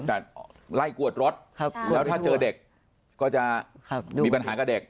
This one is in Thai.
แต่ไล่กวดรถแล้วถ้าเจอเด็กก็จะมีปัญหากับเด็ก